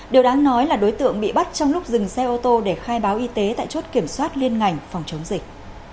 điều đáng nói là đối tượng bị bắt trong lúc dừng xe ô tô để khai báo y tế tại chốt kiểm soát liên ngành phòng chống dịch